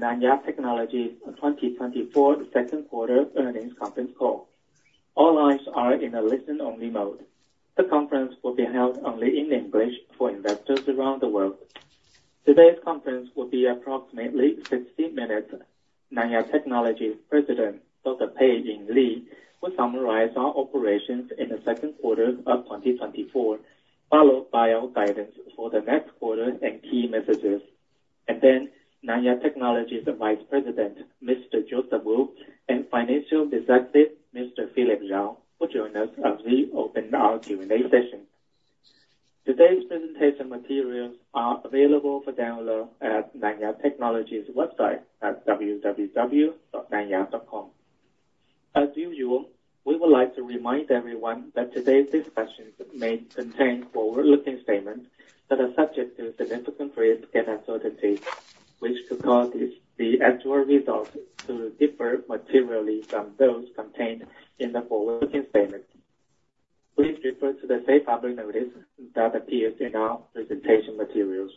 Welcome to Nanya Technology's 2024 Second Quarter Earnings Conference Call. All lines are in a listen-only mode. The conference will be held only in English for investors around the world. Today's conference will be approximately 60 minutes. Nanya Technology's President, Dr. Pei-Ing Lee, will summarize our operations in the second quarter of 2024, followed by our guidance for the next quarter and key messages. Then, Nanya Technology's Vice President, Mr. Joseph Wu, and Financial Representative, Mr. Philip Yao, will join us as we open our Q&A session. Today's presentation materials are available for download at Nanya Technology's website at www.nanya.com. As usual, we would like to remind everyone that today's discussion may contain forward-looking statements that are subject to significant risk and uncertainty, which could cause the actual results to differ materially from those contained in the forward-looking statement. Please refer to the safe harbor notice that appears in our presentation materials.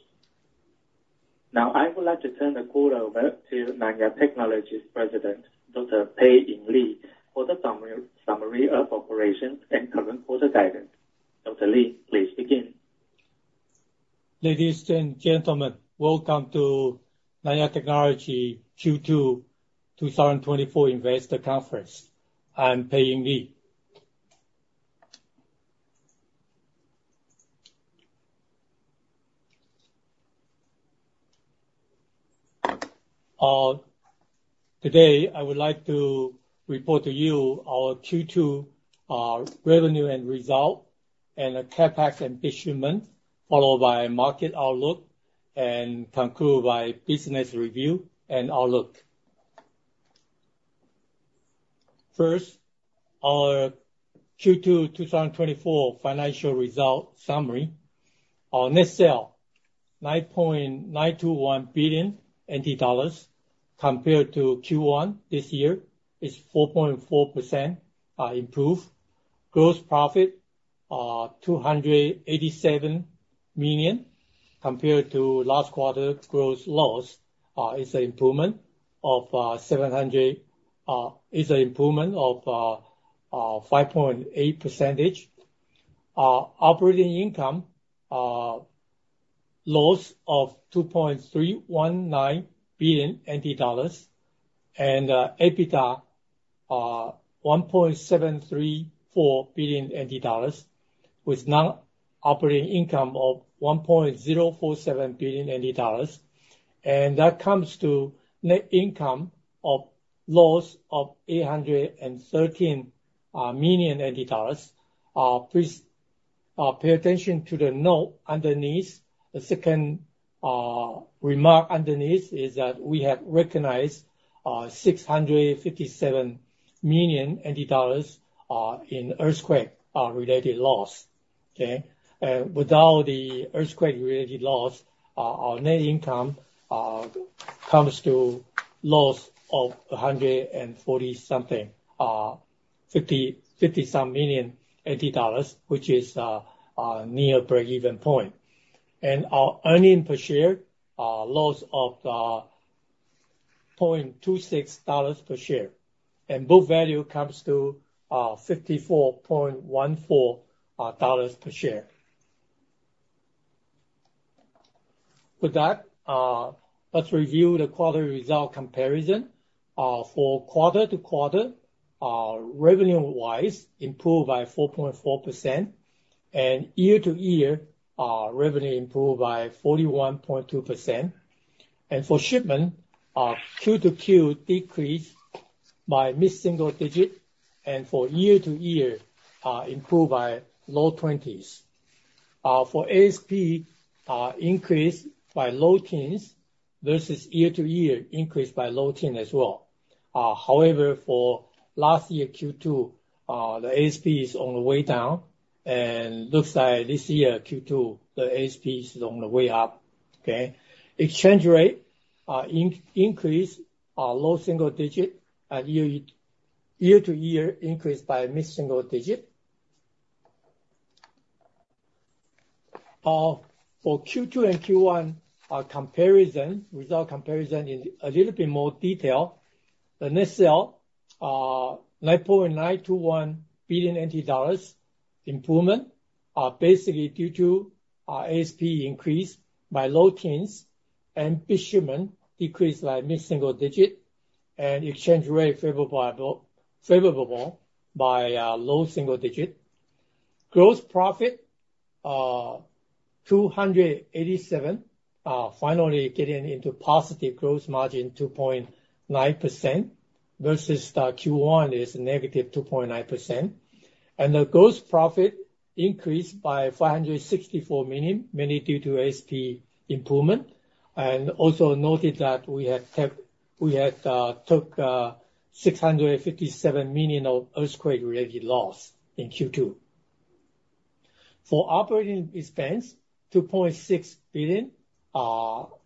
Now, I would like to turn the call over to Nanya Technology's President, Dr. Pei-Ing Lee, for the summary of operations and current quarter guidance. Dr. Lee, please begin. Ladies and gentlemen, welcome to Nanya Technology Q2-2024 Investor Conference. I'm Pei-Ing Lee. Today, I would like to report to you our Q2 revenue and result, and the CapEx and shipment, followed by market outlook, and conclude by business review and outlook. First, our Q2-2024 financial result summary. Our net sale, 9.921 billion NT dollars, compared to Q1 this year, is 4.4% improved. Gross profit, 287 million, compared to last quarter gross loss, is an improvement of 5.8%. Operating income, loss of 2.319 billion NT dollars, and EBITDA, 1.734 billion NT dollars, with net operating income of 1.047 billion NT dollars. That comes to net income loss of 813 million NT dollars. Please pay attention to the note underneath. The second remark underneath is that we have recognized 657 million in earthquake-related loss. Okay? Without the earthquake-related loss, our net income comes to loss of 156 million dollars, which is near breakeven point. And our earnings per share loss of 0.26 dollars per share, and book value comes to 54.14 dollars per share. With that, let's review the quarter result comparison. For quarter-to-quarter, revenue-wise, improved by 4.4%, and year-to-year, revenue improved by 41.2%. For shipment, Q-over-Q decreased by mid-single digit, and year-over-year improved by low 20s. For ASP, increased by low teens versus year-over-year increase by low teens as well. However, for last year, Q2, the ASP is on the way down and looks like this year, Q2, the ASP is on the way up. Okay? Exchange rate increased low single digit, and year-over-year increased by mid-single digit. For Q2 and Q1 comparison, result comparison in a little bit more detail. The net sales 9.921 billion NT dollars improvement, basically due to ASP increase by low teens, and shipment decreased by mid-single digit, and exchange rate favorable by low single digit. Gross profit, 287, finally getting into positive gross margin, 2.9%, versus Q1 is negative 2.9%. The gross profit increased by 564 million, mainly due to ASP improvement. Also note that we had taken 657 million of earthquake-related loss in Q2. For operating expense, 2.6 billion,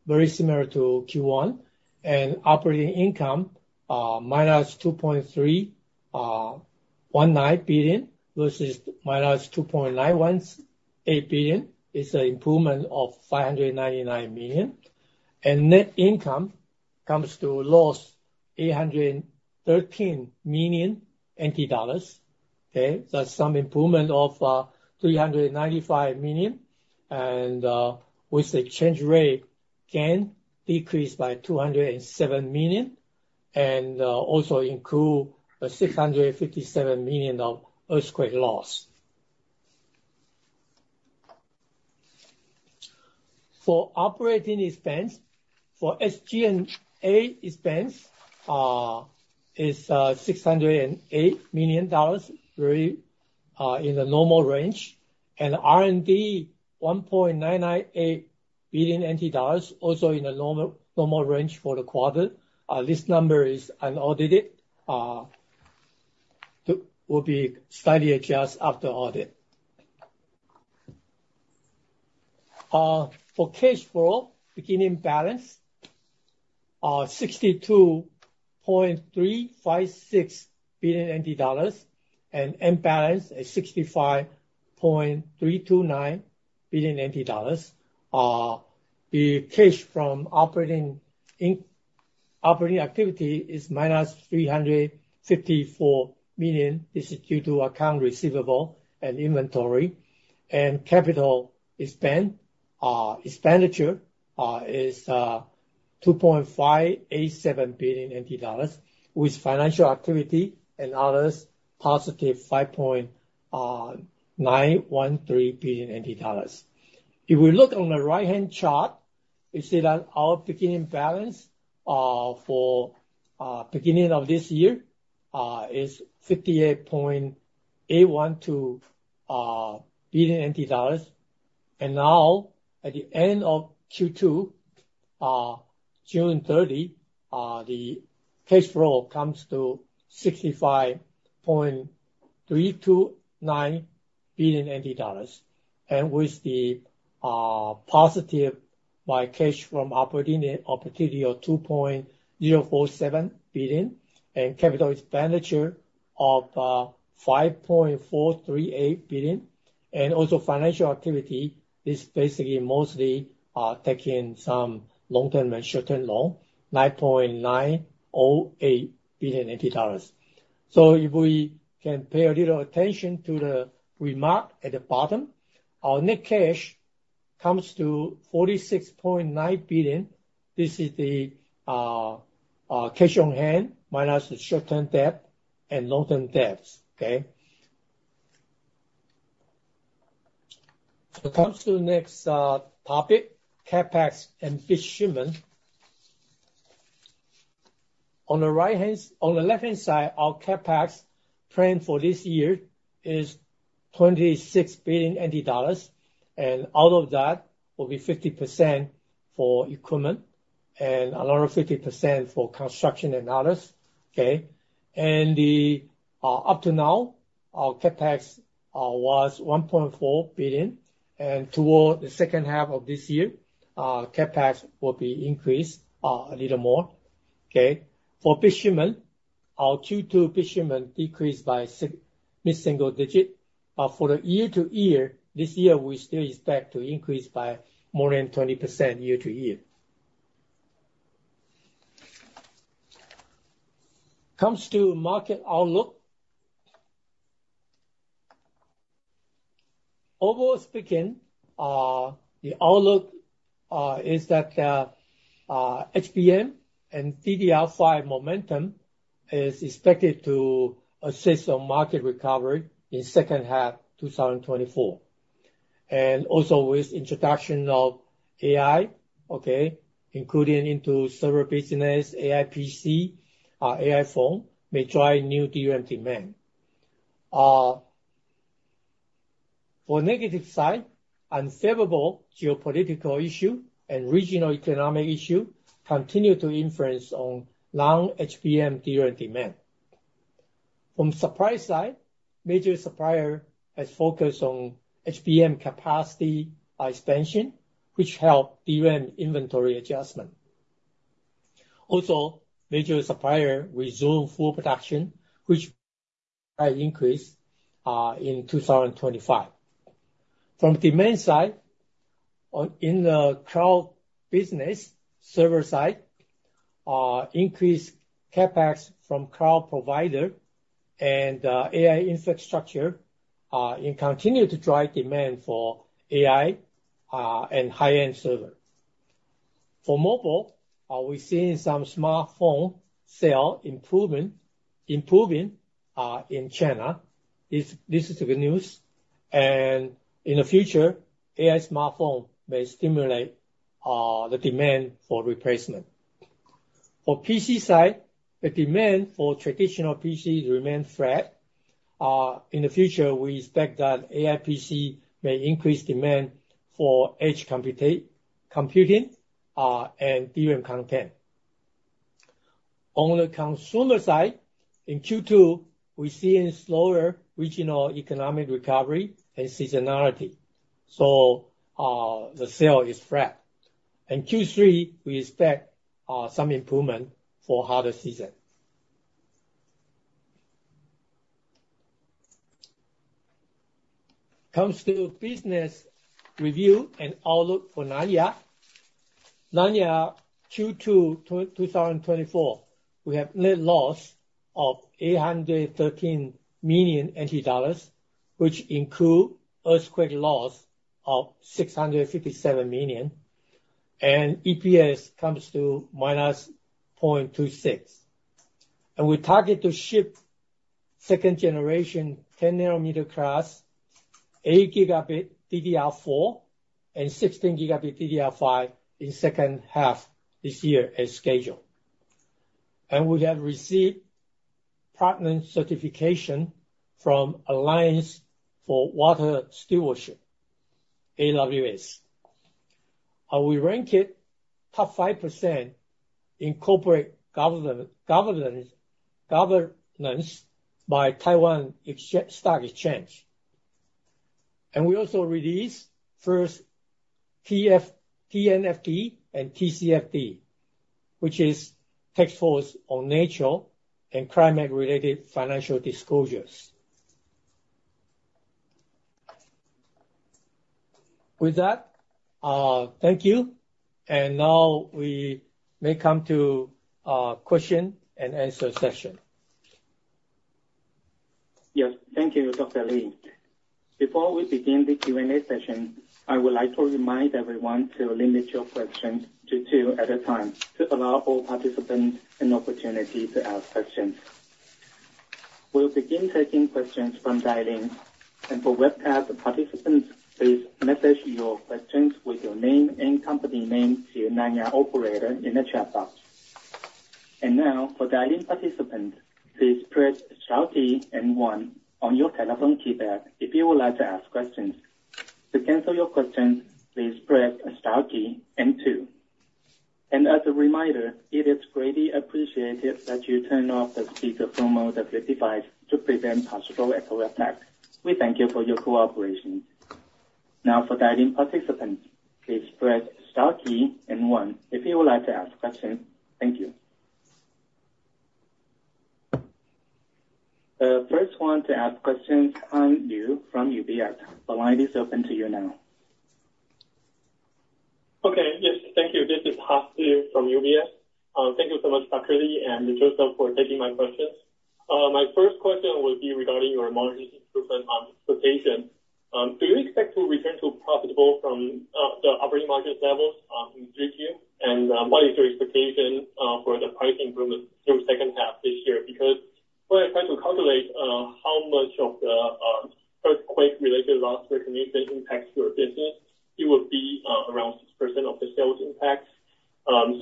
very similar to Q1, and operating income, minus 2.319 billion versus minus 2.918 billion. It's an improvement of 599 million. Net income comes to a loss, 813 million NT dollars, okay? That's some improvement of 395 million, and with the exchange rate, again, decreased by 207 million, and also including 657 million of earthquake loss. For operating expense, for SG&A expense, is 608 million dollars, very in the normal range. And R&D, 1.998 billion NT dollars, also in the normal range for the quarter. This number is unaudited, it will be slightly adjusted after audit. For cash flow, beginning balance, 62.356 billion dollars, and end balance is 65.329 billion dollars. The cash from operating activity is -354 million. This is due to account receivable and inventory, and capital expense, expenditure, is 2.587 billion NT dollars, with financial activity and others, positive 5.913 billion dollars. If we look on the right-hand chart, you see that our beginning balance for beginning of this year is 58.812 billion dollars. And now, at the end of Q2, June 30, the cash flow comes to 65.329 billion dollars. And with the positive by cash from operating activity of 2.047 billion, and capital expenditure of 5.438 billion, and also financial activity is basically mostly taking some long-term and short-term loan, 9.908 billion dollars. So if we can pay a little attention to the remark at the bottom, our net cash comes to 46.9 billion. This is the cash on hand, minus the short-term debt and long-term debts. Okay? So comes to the next topic, CapEx and shipment. On the left-hand side, our CapEx plan for this year is 26 billion NT dollars, and out of that will be 50% for equipment and another 50% for construction and others, okay? And the up to now, our CapEx was 1.4 billion, and toward the second half of this year, CapEx will be increased a little more, okay? For shipment, our Q2 shipment decreased by mid-single digit. For the year-to-year, this year, we still expect to increase by more than 20% year-to-year. Coming to market outlook. Overall speaking, the outlook is that HBM and DDR5 momentum is expected to assist on market recovery in second half, 2024. And also with introduction of AI, okay, including into server business, AI PC, AI phone, may drive new DRAM demand. For negative side, unfavorable geopolitical issue and regional economic issue continue to influence on long HBM DRAM demand. From supply side, major supplier has focused on HBM capacity expansion, which help DRAM inventory adjustment. Also, major supplier resume full production, which might increase in 2025. From demand side, in the cloud business server side, increased CapEx from cloud provider and AI infrastructure and continue to drive demand for AI and high-end server. For mobile, we're seeing some smartphone sale improving, improving in China. This, this is the good news. In the future, AI smartphone may stimulate the demand for replacement. For PC side, the demand for traditional PC remain flat. In the future, we expect that AI PC may increase demand for edge computing and DRAM content. On the consumer side, in Q2, we're seeing slower regional economic recovery and seasonality, so the sale is flat. In Q3, we expect some improvement for harder season. Comes to business review and outlook for Nanya. Nanya Q2 2024, we have net loss of 813 million NT dollars, which include earthquake loss of 657 million, and EPS comes to -0.26. We target to ship second generation 10nm class 8 gigabit DDR4 and 16 gigabit DDR5 in second half this year as scheduled. We have received partner certification from Alliance for Water Stewardship, AWS. We ranked top 5% in corporate governance by Taiwan Stock Exchange. We also released first TCFD, TNFD and TCFD, which is Task Force on Nature and Climate-related Financial Disclosures. With that, thank you. Now we may come to question and answer session. Yes. Thank you, Dr. Lee. Before we begin the Q&A session, I would like to remind everyone to limit your questions to two at a time, to allow all participants an opportunity to ask questions. We'll begin taking questions from dial-in, and for webcast participants, please message your questions with your name and company name to Nanya operator in the chat box. Now, for dial-in participants, please press star key and one on your telephone keypad if you would like to ask questions. To cancel your question, please press star key and two. As a reminder, it is greatly appreciated that you turn off the speakerphone of the device to prevent possible echo effect. We thank you for your cooperation. Now, for dial-in participants, please press star key and one if you would like to ask question. Thank you. The first one to ask questions, Han Yu from UBS. The line is open to you now. Okay. Yes, thank you. This is Han Yu from UBS. Thank you so much, Dr. Lee and Joseph, for taking my questions. My first question would be regarding your margins improvement expectation. Do you expect to return to profitable from the operating margin levels in 3Q? And what is your expectation for the price improvement through second half this year? Because when I try to calculate how much of the earthquake-related loss recognition impacts your business, it would be around 6% of the sales impact.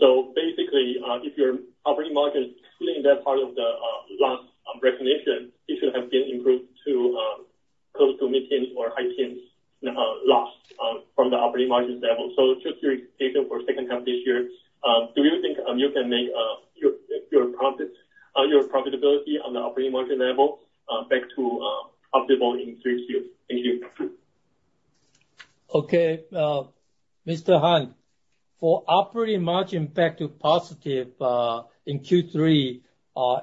So basically, if your operating margin, including that part of the loss recognition, it should have been improved to close to mid-teens or high teens loss from the operating margins level. So what's your expectation for second half this year? Do you think you can make your profit your profitability on the operating margin level back to profitable in 3Q? Thank you. Okay. Mr. Han, for operating margin back to positive in Q3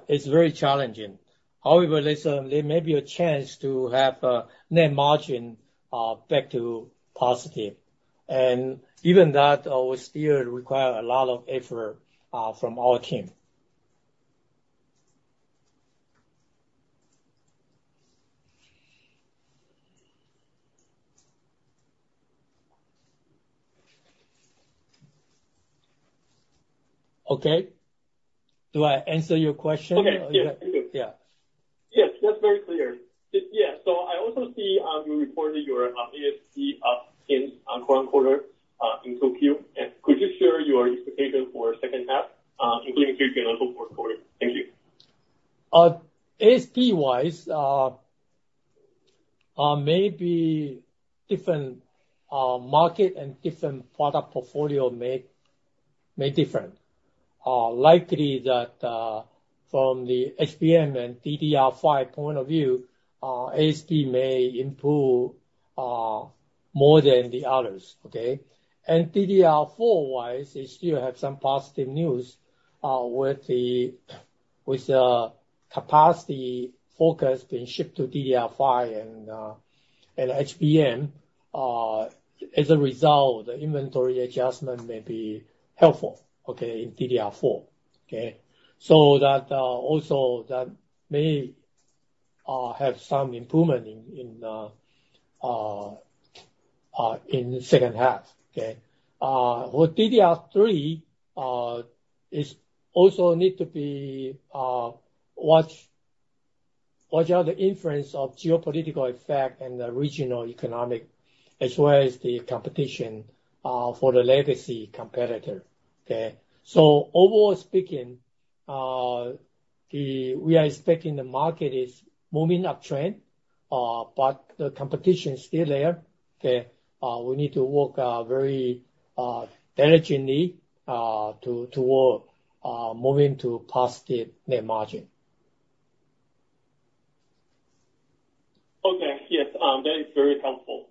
is very challenging. However, there may be a chance to have a net margin back to positive. Even that will still require a lot of effort from our team. Okay, do I answer your question? Okay. Yes, thank you. Yeah. Yes, that's very clear. Yes. So I also see you reported your ASP up in current quarter in 2Q. And could you share your expectation for second half, including 3Q and 4Q? Thank you. ASP wise, maybe different market and different product portfolio may different. Likely that, from the HBM and DDR5 point of view, ASP may improve more than the others, okay? And DDR4 wise, they still have some positive news, with the capacity focus being shipped to DDR5 and HBM. As a result, the inventory adjustment may be helpful, okay, in DDR4. Okay? So that also that may have some improvement in the second half. Okay. With DDR3, is also need to be watch out the influence of geopolitical effect and the regional economic, as well as the competition for the legacy competitor. Okay? So overall speaking, we are expecting the market is moving uptrend, but the competition is still there, okay? We need to work very diligently toward moving to positive net margin. That is very helpful.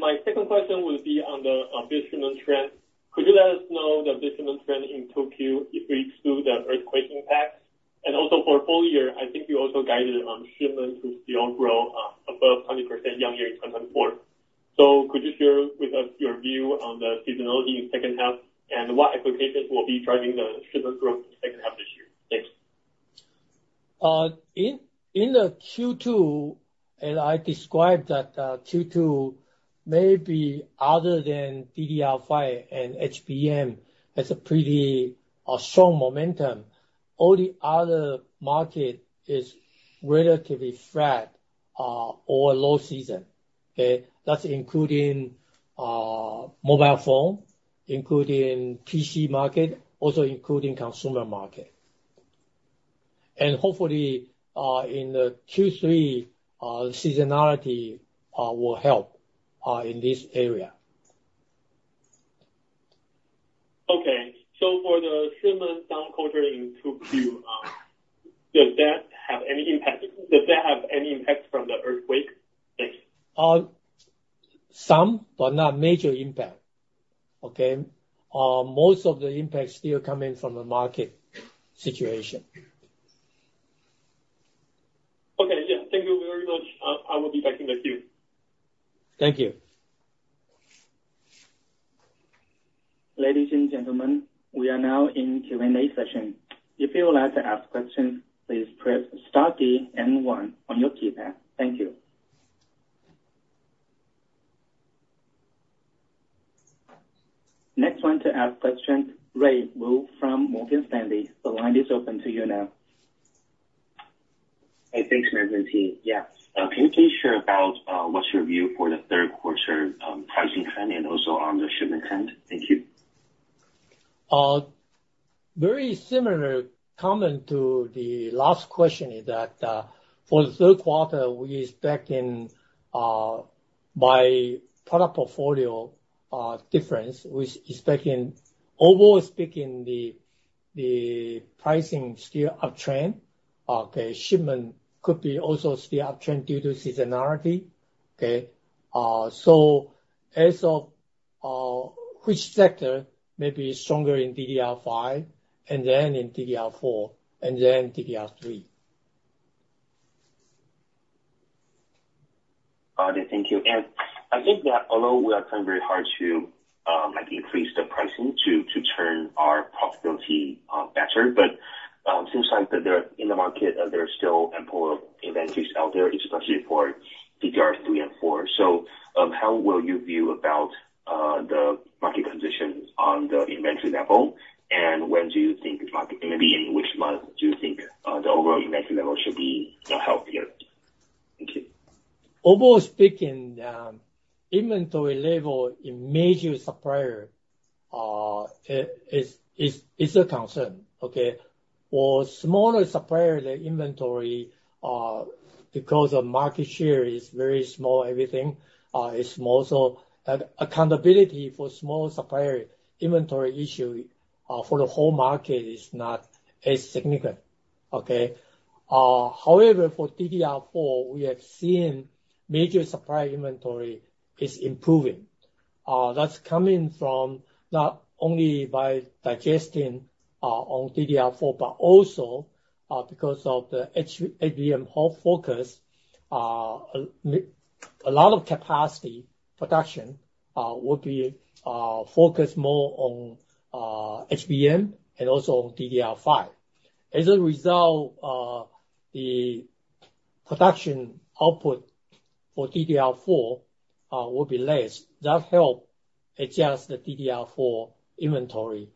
My second question will be on the business trend. Could you let us know the business trend in 2Q, if we exclude the earthquake impact? And also for full year, I think you also guided on shipment to still grow above 20% year-on-year in 2024. Could you share with us your view on the seasonality in second half, and what applications will be driving the shipment growth in the second half this year? Thanks. In the Q2, and I described that Q2 may be other than DDR5 and HBM, has a pretty strong momentum. All the other market is relatively flat, or low season, okay? That's including mobile phone, including PC market, also including consumer market. And hopefully in the Q3, seasonality will help in this area. Okay. So for the shipment down quarter in Q2, does that have any impact from the earthquake? Thanks. Some, but not major impact, okay? Most of the impact still coming from the market situation. Okay, yeah. Thank you very much. I will be back in the queue. Thank you. Ladies and gentlemen, we are now in Q&A session. If you would like to ask questions, please press star key and one on your keypad. Thank you. Next one to ask question, Ray Wu from Morgan Stanley. The line is open to you now. Hey, thanks, management team. Yes, can you please share about, what's your view for the third quarter, pricing trend and also on the shipment trend? Thank you. Very similar comment to the last question is that, for the third quarter, we expecting, by product portfolio, difference, we're expecting, overall speaking, the pricing still uptrend. Okay, shipment could be also still uptrend due to seasonality, okay? So as of, which sector may be stronger in DDR5, and then in DDR4, and then DDR3. Got it. Thank you. And I think that although we are trying very hard to, like, increase the pricing to turn our profitability better, but seems like that there are, in the market, there are still ample inventories out there, especially for DDR3 and DDR4. So, how will you view about the market conditions on the inventory level? And when do you think it might be, in which month do you think the overall inventory level should be, you know, healthier? Thank you. Overall speaking, inventory level in major supplier is a concern, okay? For smaller supplier, the inventory, because the market share is very small, everything is small. So an accountability for small supplier inventory issue for the whole market is not as significant, okay? However, for DDR4, we have seen major supplier inventory is improving. That's coming from not only by digesting on DDR4, but also because of the HBM whole focus, a lot of capacity production will be focused more on HBM and also on DDR5. As a result, the production output for DDR4 will be less. That help adjust the DDR4 inventory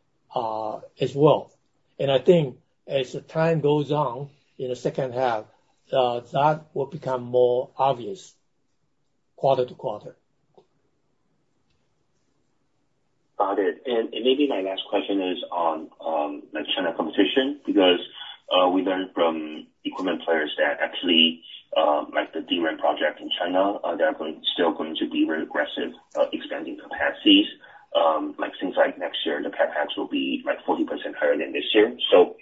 as well. And I think as the time goes on, in the second half, that will become more obvious quarter to quarter. Got it. And maybe my last question is on, like, China competition, because we learned from equipment players that actually, like the DRAM project in China, they are still going to be very aggressive, expanding capacities. Like, since like next year, the CapEx will be, like, 40% higher than this year. So,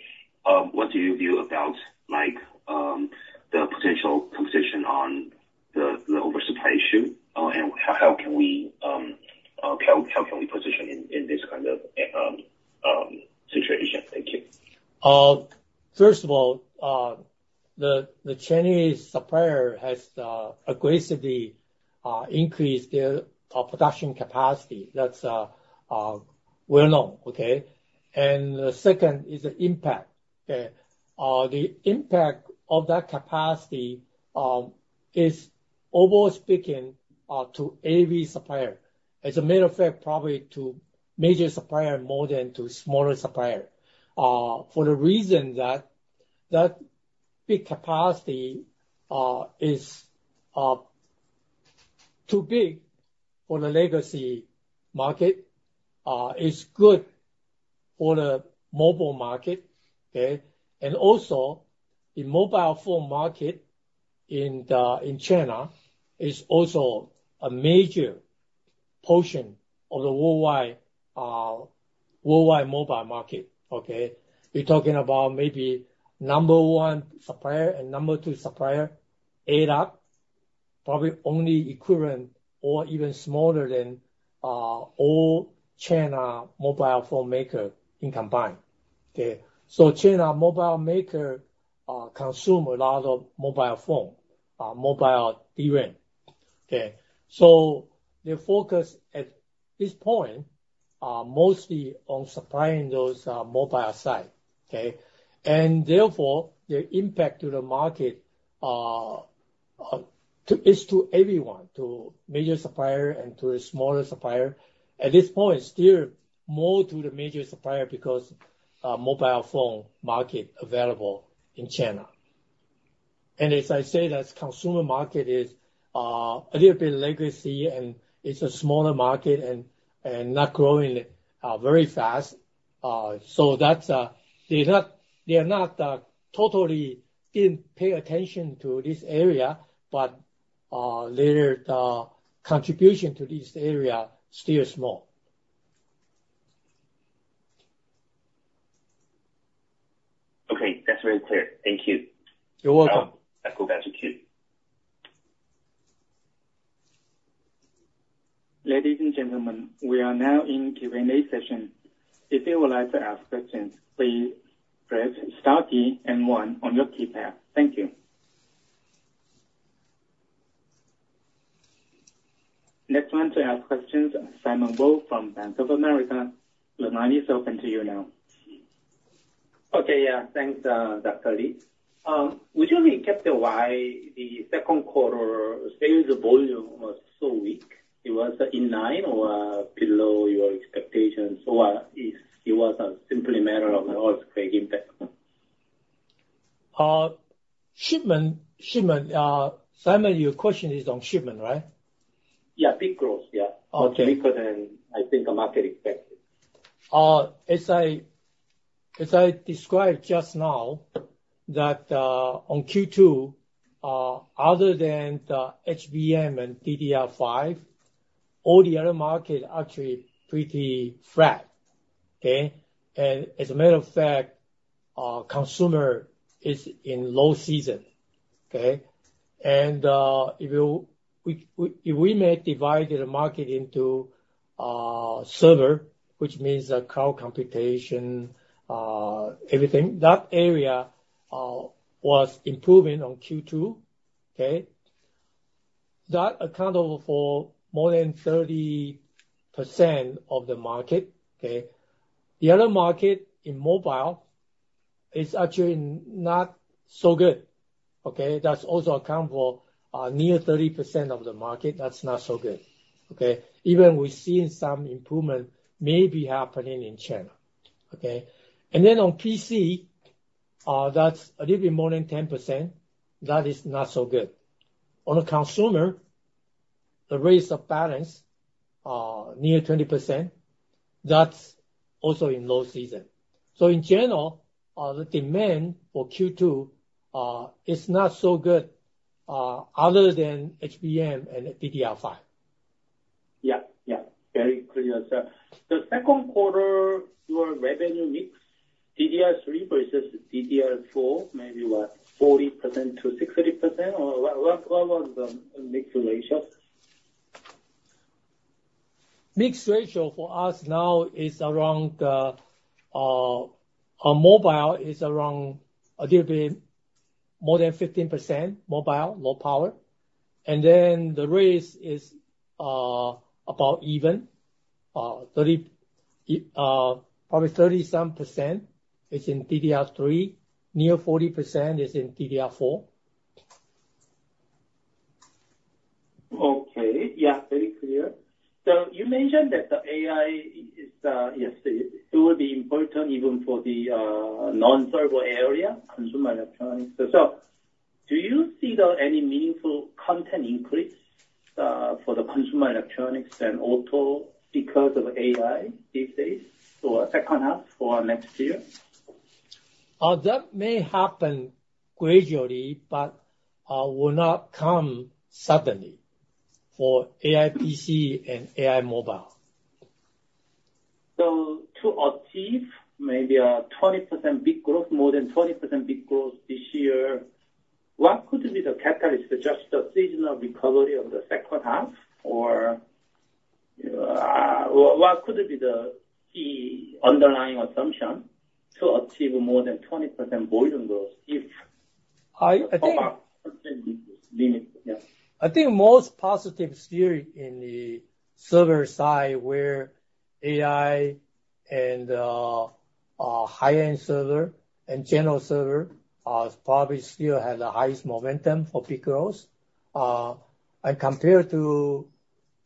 what do you view about, like, the potential competition on the, the oversupply issue? And how can we position in this kind of situation? Thank you. First of all, the Chinese supplier has aggressively increased their production capacity. That's well known, okay? And the second is the impact, okay. The impact of that capacity is overall speaking to every supplier. As a matter of fact, probably to major supplier more than to smaller supplier, for the reason that that big capacity is too big for the legacy market. It's good for the mobile market, okay? And also, the mobile phone market in China is also a major portion of the worldwide mobile market, okay? We're talking about maybe number one supplier and number two supplier add up, probably only equivalent or even smaller than all China mobile phone maker in combined. Okay, so China mobile maker consume a lot of mobile phone mobile DRAM. Okay, so the focus at this point are mostly on supplying those, mobile side, okay? And therefore, the impact to the market is to everyone, to major supplier and to a smaller supplier. At this point, still more to the major supplier because, mobile phone market available in China. And as I say, that consumer market is a little bit legacy, and it's a smaller market and not growing very fast. So that's, they're not, they are not totally didn't pay attention to this area, but their contribution to this area still small. Okay, that's very clear. Thank you. You're welcome. I go back to queue. Ladies and gentlemen, we are now in Q&A session. If you would like to ask questions, please press star key and one on your keypad. Thank you. Next one to ask questions, Simon Woo from Bank of America. The line is open to you now. Okay, yeah. Thanks, Dr. Lee. Would you comment why the second quarter sales volume was so weak? It was in line or below your expectations, or it was a simple matter of an earthquake impact? Shipment, shipment, Simon, your question is on shipment, right? Yeah, big growth, yeah. Okay. Much weaker than I think the market expected. As I described just now, that on Q2, other than the HBM and DDR5, all the other market actually pretty flat. Okay? And as a matter of fact, our consumer is in low season, okay? And if we may divide the market into server, which means the cloud computation, everything, that area, was improving on Q2, okay? That accounted for more than 30% of the market, okay? The other market in mobile is actually not so good, okay? That's also account for near 30% of the market. That's not so good, okay? Even we're seeing some improvement maybe happening in China, okay? And then on PC, that's a little bit more than 10%. That is not so good. On a consumer, the race of balance, near 20%, that's also in low season. So in general, the demand for Q2 is not so good, other than HBM and DDR5. Yeah, yeah, very clear, sir. The second quarter, your revenue mix, DDR3 versus DDR4, maybe what, 40%-60%? Or what, what, what was the mix ratio? Mix ratio for us now is around, on mobile is around a little bit more than 15% mobile, low power. And then the rest is, about even, probably 30-some% is in DDR3, near 40% is in DDR4. Okay. Yeah, very clear. So you mentioned that the AI is the, yes, it will be important even for the non-server area, consumer electronics. So do you see the any meaningful content increase for the consumer electronics and auto because of AI these days, so second half or next year? That may happen gradually, but will not come suddenly for AI PC and AI mobile. So to achieve maybe a 20% big growth, more than 20% big growth this year, what could be the catalyst to just the seasonal recovery of the second half? Or, what, what could it be the key underlying assumption to achieve more than 20% volume growth if- I think- Percent limit. Yeah. I think most positive still in the server side, where AI and, our high-end server and general server, probably still have the highest momentum for big growth. And compared to,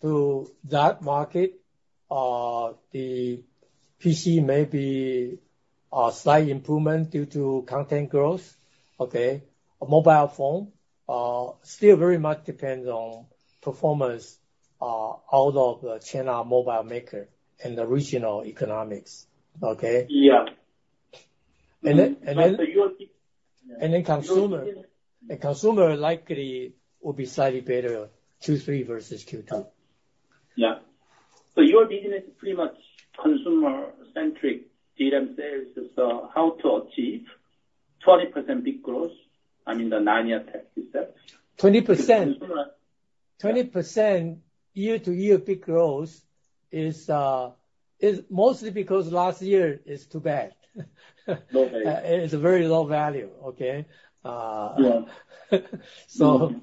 to that market, the PC may be a slight improvement due to content growth, okay? A mobile phone, still very much depends on performance, out of the China mobile maker and the regional economics. Okay? Yeah. And then, consumer likely will be slightly better, Q3 versus Q2. Yeah. So your business is pretty much consumer-centric DRAM sales. So how to achieve 20% bit growth, I mean, the Nanya Tech, you said? 20%? Consumer- 20% year-to-year bit growth is mostly because last year is too bad. Okay. It's a very low value, okay? Yeah. So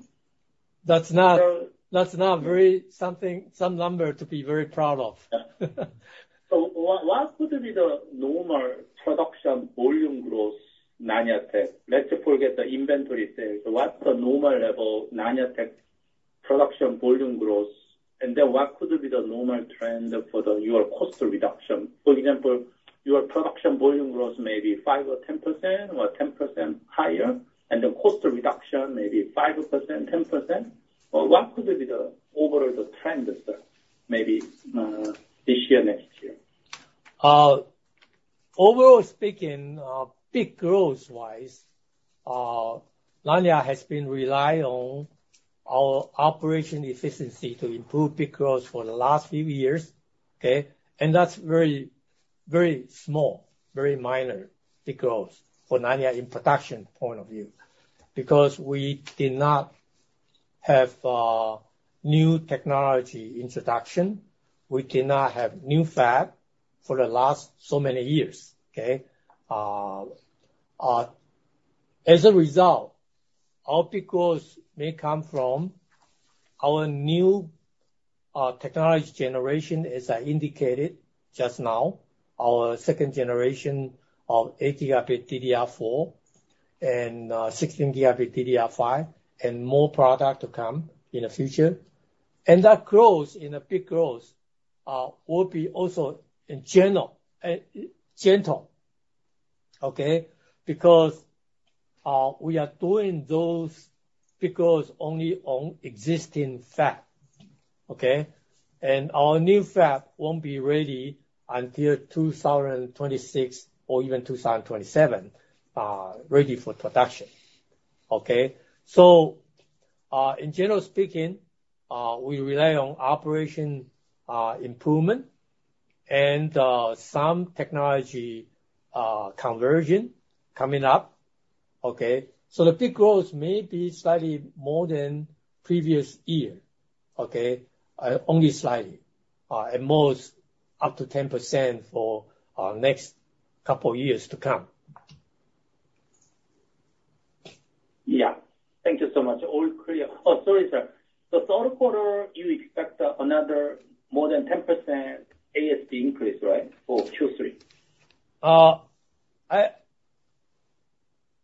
that's not- So- That's not very something, some number to be very proud of. What would be the normal production volume growth, Nanya Tech? Let's forget the inventory sales. What's the normal level, Nanya Tech, production volume growth? And then what could be the normal trend for the, your cost reduction? For example, your production volume growth may be 5%-10% or 10% higher, and the cost reduction may be 5%, 10%. But what could be the overall the trend, sir, maybe this year, next year? Overall speaking, bit growth-wise, Nanya has been rely on our operation efficiency to improve bit growth for the last few years, okay? And that's very, very small, very minor bit growth for Nanya in production point of view. Because we did not have new technology introduction, we cannot have new fab for the last so many years, okay? As a result, our bit growth may come from our new technology generation, as I indicated just now, our second generation of 8-gigabit DDR4 and 16-gigabit DDR5, and more product to come in the future. And that growth, in a bit growth, will be also in general gentle, okay? Because we are doing those bit growth only on existing fab, okay? Our new fab won't be ready until 2026 or even 2027, ready for production, okay? So, in general speaking, we rely on operation improvement and some technology conversion coming up, okay? So the bit growth may be slightly more than previous year, okay? Only slightly, at most, up to 10% for next couple years to come. Yeah. Thank you so much. All clear. Oh, sorry, sir. So third quarter, you expect, another more than 10% ASP increase, right? For Q3.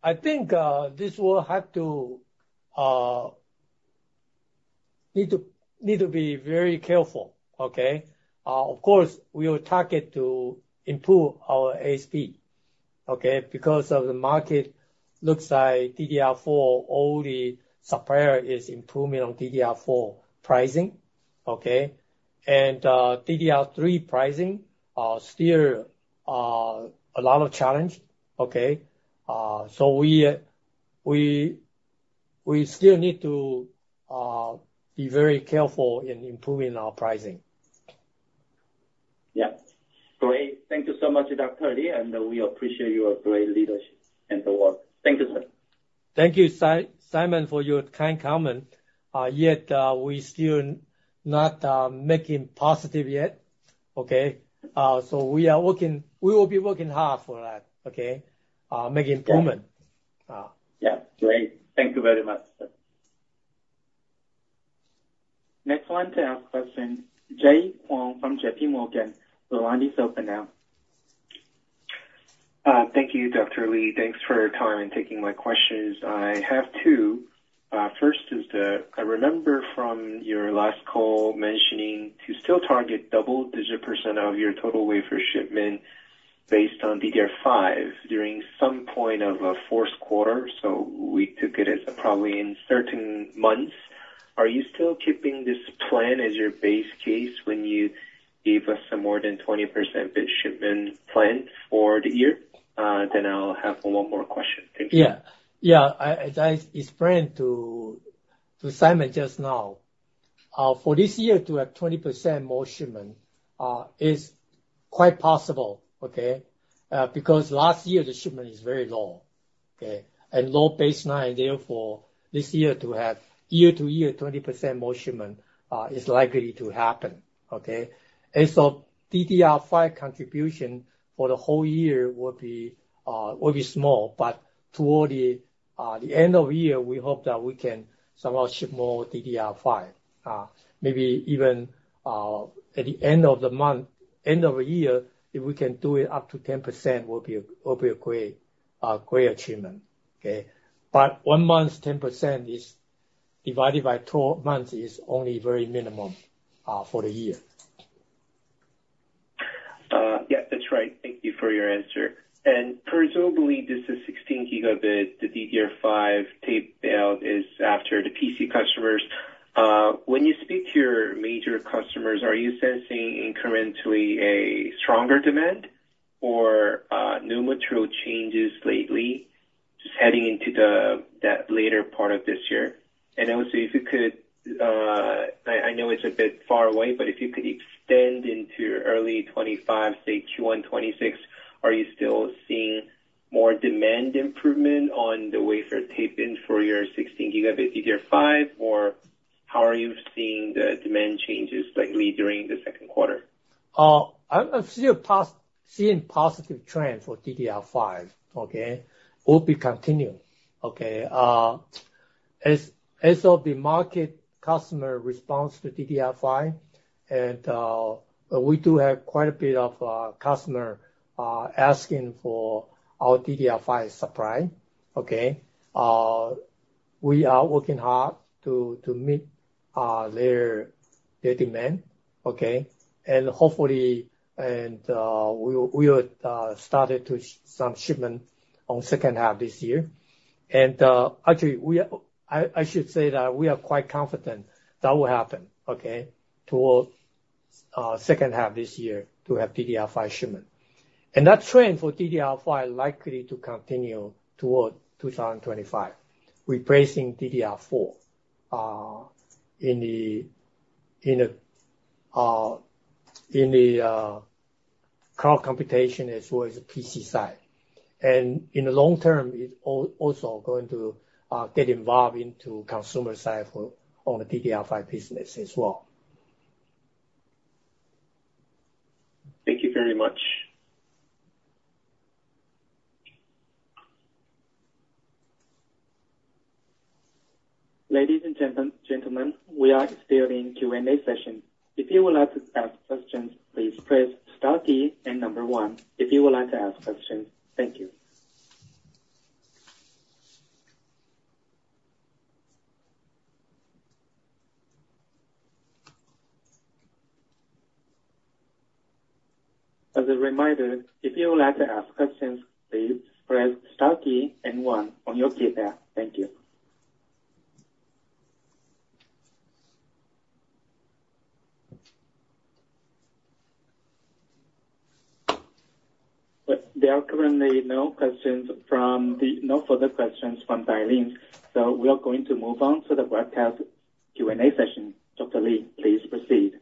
I think this will have to need to be very careful, okay? Of course, we will target to improve our ASP, okay? Because of the market looks like DDR4, all the supplier is improving on DDR4 pricing, okay? And DDR3 pricing still a lot of challenge, okay? So we still need to be very careful in improving our pricing. Yeah. Great. Thank you so much, Dr. Lee, and we appreciate your great leadership and the work. Thank you, sir. Thank you, Simon, for your kind comment. Yet, we still not making positive yet, okay? So we will be working hard for that, okay? Make improvement. Yeah, great. Thank you very much, sir. Next one to ask question, Jay Kwon from JPMorgan. The line is open now. Thank you, Dr. Lee. Thanks for your time in taking my questions. I have two. First is the, I remember from your last call mentioning you still target double-digit % of your total wafer shipment based on DDR5 during some point of fourth quarter, so we took it as probably in certain months. Are you still keeping this plan as your base case when you gave us a more than 20% bit shipment plan for the year? Then I'll have one more question. Thank you. Yeah. Yeah, as I explained to Simon just now, for this year to have 20% more shipment is quite possible, okay? Because last year, the shipment is very low, okay? And low baseline, therefore, this year to have year-to-year 20% more shipment is likely to happen, okay? And so DDR5 contribution for the whole year will be small, but toward the end of year, we hope that we can somehow ship more DDR5, maybe even at the end of the month, end of the year, if we can do it up to 10%, will be a great achievement, okay? But one month, 10% is divided by 12 months, is only very minimum for the year. Yeah, that's right. Thank you for your answer. And presumably, this is 16 gigabit, the DDR5 tape out is after the PC customers. When you speak to your major customers, are you sensing incrementally a stronger demand or new material changes lately, just heading into the, that later part of this year? And also, if you could, I know it's a bit far away, but if you could extend into early 2025, say Q1 2026, are you still seeing more demand improvement on the wafer tape-in for your 16 gigabit DDR5? Or how are you seeing the demand changes lately during the second quarter? I'm still seeing positive trend for DDR5, okay? Will be continuing. Okay, as of the market customer response to DDR5, and we do have quite a bit of customer asking for our DDR5 supply, okay? We are working hard to meet their demand, okay? And hopefully we will started to some shipment on second half this year. And actually, we are I should say that we are quite confident that will happen, okay, toward second half this year, to have DDR5 shipment. And that trend for DDR5 likely to continue toward 2025, replacing DDR4 in the cloud computation as well as the PC side. In the long term, it's also going to get involved into the consumer side for, on the DDR5 business as well. Thank you very much. Ladies and gentlemen, gentlemen, we are still in Q&A session. If you would like to ask questions, please press star key and number one, if you would like to ask questions. Thank you. As a reminder, if you would like to ask questions, please press star key and one on your keypad. Thank you. There are currently no questions from the... No further questions from dialing, so we are going to move on to the webcast Q&A session. Dr. Lee, please proceed.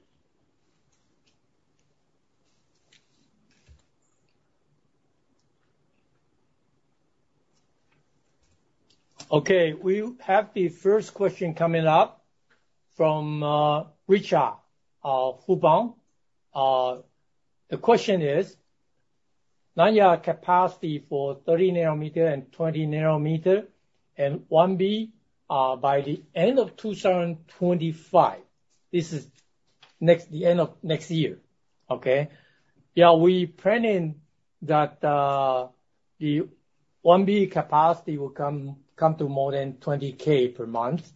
Okay, we have the first question coming up from Richard from Fubon. The question is, Nanya capacity for 30-nanometer and 20-nanometer, and 1B, by the end of 2025, this is next, the end of next year, okay? Yeah, we planning that, the 1B capacity will come to more than 20K per month,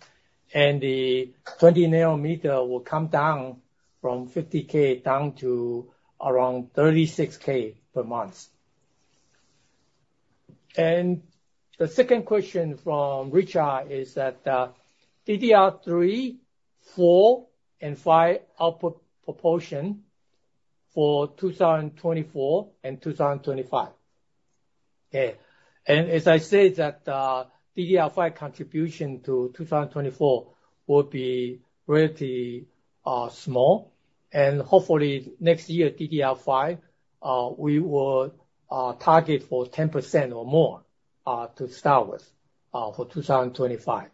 and the 20-nanometer will come down from 50K down to around 36K per month. And the second question from Richard is that, DDR3, DDR4, and DDR5 output proportion for 2024 and 2025. Yeah. And as I said, that, DDR5 contribution to 2024 will be relatively small. Hopefully, next year, DDR5, we will target for 10% or more, to start with, for 2025.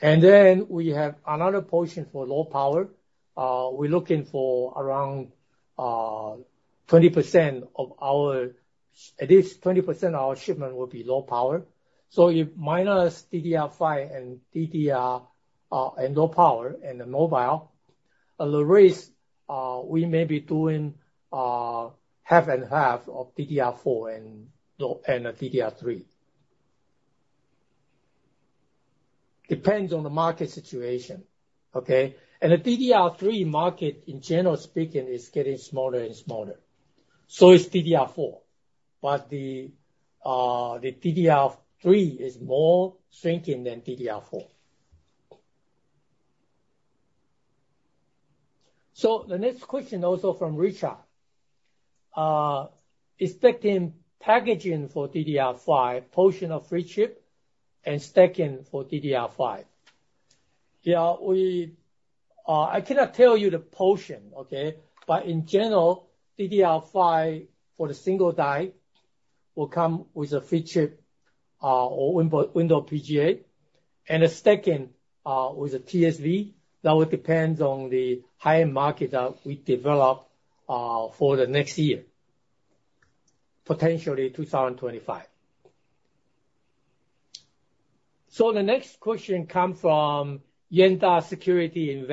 And then we have another portion for low power. We're looking for around, at least 20% of our shipment will be low power. So if minus DDR5 and DDR, and low power, and the mobile, on the race, we may be doing 50/50 of DDR4 and low power and DDR3. Depends on the market situation, okay? And the DDR3 market, in general speaking, is getting smaller and smaller. So is DDR4, but the, the DDR3 is more shrinking than DDR4. So the next question, also from Richard, is stacking packaging for DDR5, portion of Flip Chip and stacking for DDR5. Yeah, we, I cannot tell you the portion, okay? But in general, DDR5, for the single die, will come with a Flip Chip, or Window BGA, and a stacking with a TSV. That will depends on the high-end market that we develop, for the next year, potentially 2025. So the next question come from Yuanta Securities,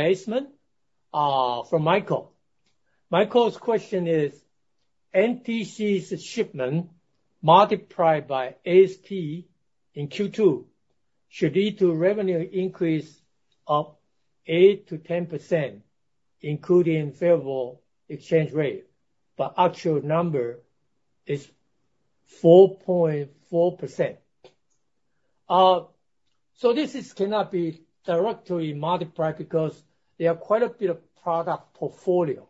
from Michael. Michael's question is, NTC's shipment multiplied by ASP in Q2, should lead to revenue increase of 8%-10%, including favorable exchange rate, but actual number is 4.4%. So this is cannot be directly multiplied, because they have quite a bit of product portfolio,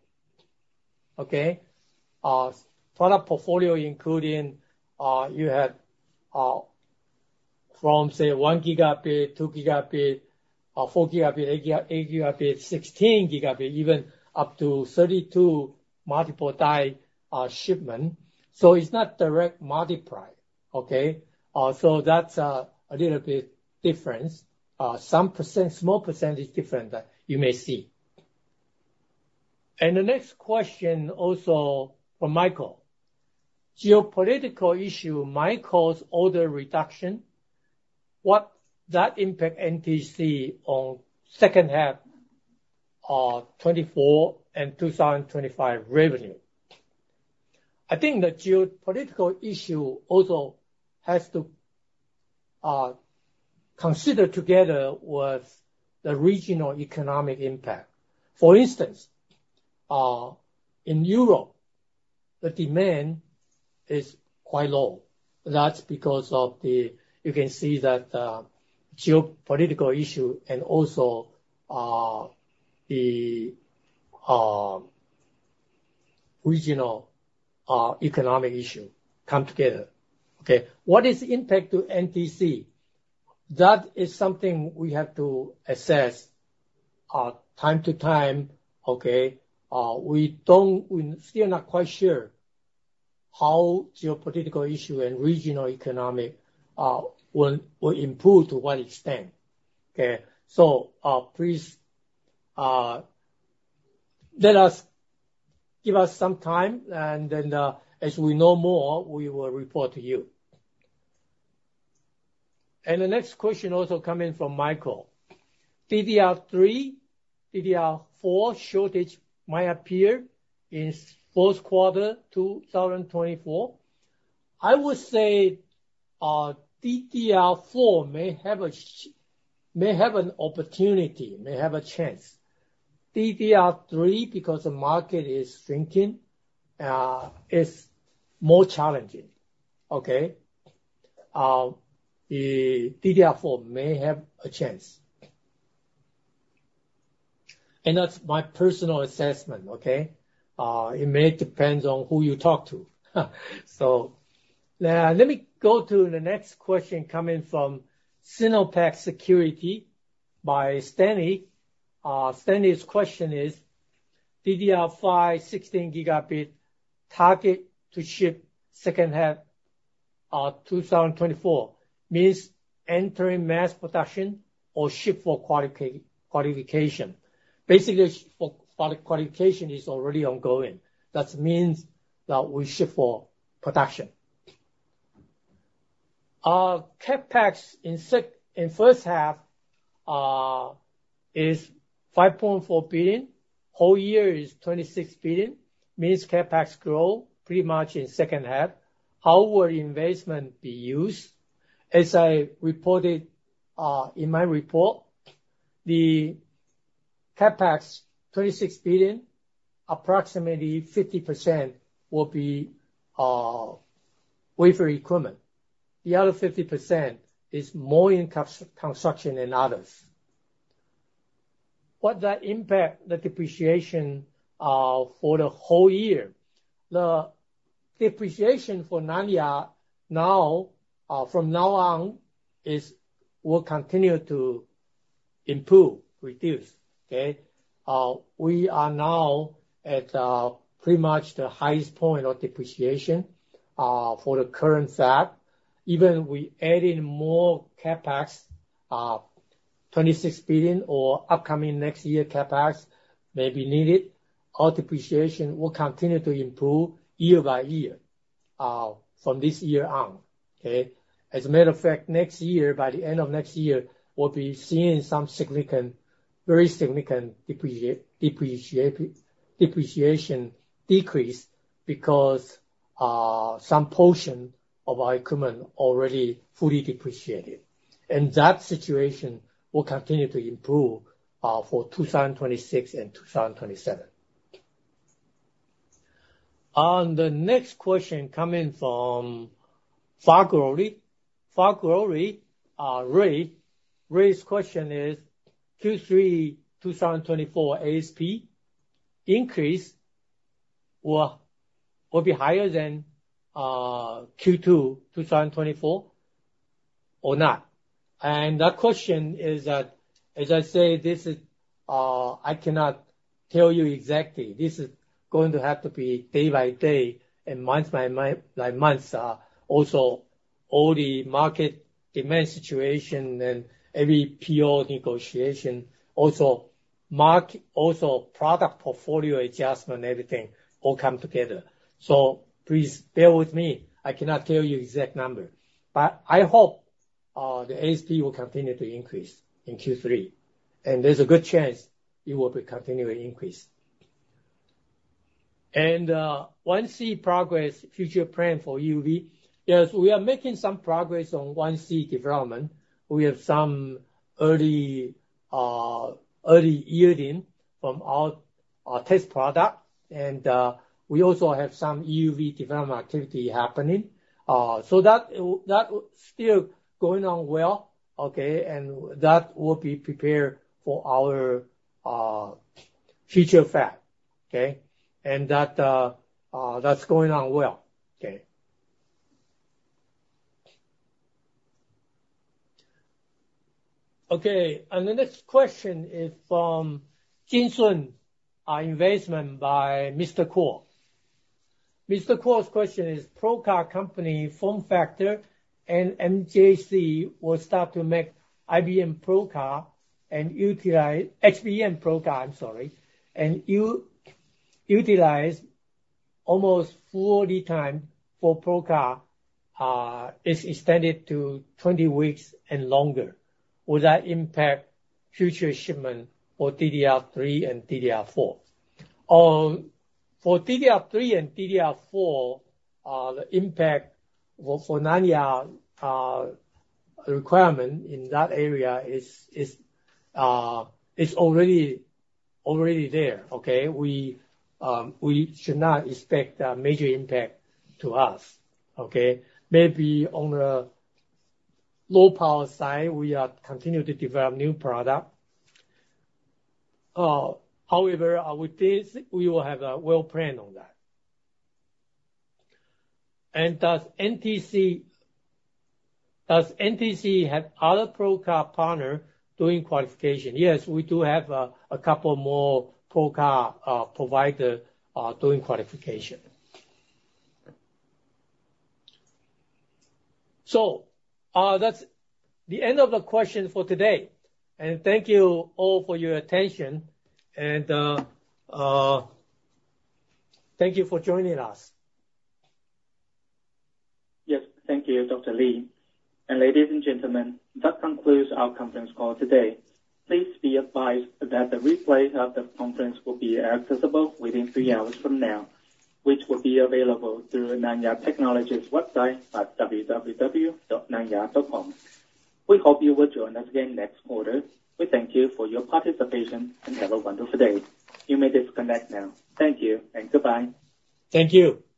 okay? Product portfolio, including, you have, from, say, 1 gigabit, 2 gigabit, or 4 gigabit, 8 gigabit, 16 gigabit, even up to 32 multiple die, shipment. So it's not direct multiply, okay? So that's a little bit difference. Some percent, small percentage difference that you may see. The next question also from Michael. Geopolitical issue might cause order reduction. What that impact NTC on second half of 2024 and 2025 revenue? I think the geopolitical issue also has to consider together with the regional economic impact. For instance, in Europe, the demand is quite low. That's because of the you can see that geopolitical issue and also the regional economic issue come together. Okay, what is the impact to NTC? That is something we have to assess time to time, okay? We don't we're still not quite sure how geopolitical issue and regional economic will improve to what extent, okay? So, please, let us give us some time, and then, as we know more, we will report to you. The next question also coming from Michael. DDR3, DDR4 shortage might appear in fourth quarter, 2024. I would say, DDR4 may have an opportunity, may have a chance. DDR3, because the market is shrinking, is more challenging, okay? The DDR4 may have a chance. And that's my personal assessment, okay? It may depends on who you talk to. So, let me go to the next question coming from SinoPac Securities, by Stanley. Stanley's question is, DDR5, 16 gigabit, target to ship second half, 2024. Means entering mass production or ship for qualification? Basically, for product qualification is already ongoing. That means that we ship for production. CapEx in first half is 5.4 billion, whole year is 26 billion, means CapEx grow pretty much in second half. How will investment be used? As I reported in my report, the CapEx, 26 billion, approximately 50% will be wafer equipment. The other 50% is more in construction and others. What that impact, the depreciation for the whole year? The depreciation for Nanya now from now on will continue to improve, reduce, okay? We are now at pretty much the highest point of depreciation for the current fab. Even we add in more CapEx, 26 billion or upcoming next year, CapEx may be needed. Our depreciation will continue to improve year by year from this year on, okay? As a matter of fact, next year, by the end of next year, we'll be seeing some significant, very significant depreciation decrease because some portion of our equipment already fully depreciated. And that situation will continue to improve for 2026 and 2027. On the next question coming from Farglory. Farglory, Ray. Ray's question is: Q3 2024 ASP increase will be higher than Q2 2024 or not? And that question is that, as I say, this is I cannot tell you exactly. This is going to have to be day by day and month by month. Also, all the market demand situation and every PO negotiation, also product portfolio adjustment, everything, all come together. So please bear with me, I cannot tell you exact number, but I hope the ASP will continue to increase in Q3, and there's a good chance it will be continuing to increase. And 1C progress, future plan for EUV. Yes, we are making some progress on 1C development. We have some early early yielding from our test product, and we also have some EUV development activity happening. So that still going on well, okay? And that will be prepared for our future fab, okay? And that that's going on well, okay. Okay, and the next question is from Jih Sun Investment by Mr. Kuo. Mr. Kuo's question is, probe card company FormFactor and MJC will start to make HBM probe card and utilize HBM probe card, I'm sorry, and utilize almost full lead time for probe card is extended to 20 weeks and longer. Will that impact future shipment for DDR3 and DDR4? For DDR3 and DDR4, the impact for Nanya requirement in that area is already there, okay? We should not expect a major impact to us, okay? Maybe on the low power side, we are continuing to develop new product. However, with this, we will have a well plan on that. Does NTC have other probe card partner doing qualification? Yes, we do have a couple more probe card provider doing qualification. So, that's the end of the question for today. And thank you all for your attention. Thank you for joining us. Yes. Thank you, Dr. Lee. Ladies and gentlemen, that concludes our conference call today. Please be advised that the replay of the conference will be accessible within 3 hours from now, which will be available through Nanya Technology's website at www.nanya.com. We hope you will join us again next quarter. We thank you for your participation, and have a wonderful day. You may disconnect now. Thank you, and goodbye. Thank you!